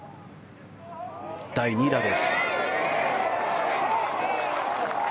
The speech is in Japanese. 第２打です。